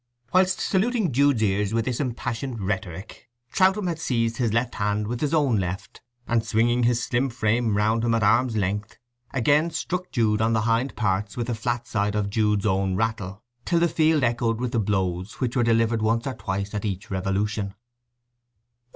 Whilst saluting Jude's ears with this impassioned rhetoric, Troutham had seized his left hand with his own left, and swinging his slim frame round him at arm's length, again struck Jude on the hind parts with the flat side of Jude's own rattle, till the field echoed with the blows, which were delivered once or twice at each revolution.